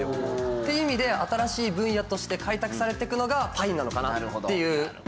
っていう意味で新しい分野として開拓されていくのがパインなのかなっていう。